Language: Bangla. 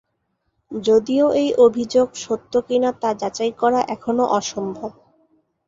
যদিও এই অভিযোগ সত্য কি-না তা যাচাই করা এখনও অসম্ভব।